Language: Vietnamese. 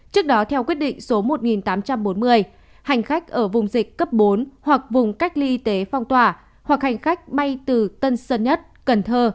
trước đó theo quyết định số một nghìn tám trăm bốn mươi hành khách ở vùng dịch cấp bốn hoặc vùng cách ly y tế phong tỏa hoặc hành khách bay từ tân sơn nhất cần thơ